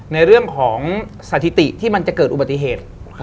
ในเรื่องของสถิติที่มันจะเกิดอุบัติเหตุ